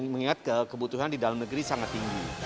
mengingat kebutuhan di dalam negeri sangat tinggi